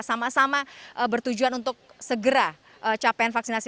sama sama bertujuan untuk segera capaian vaksinasi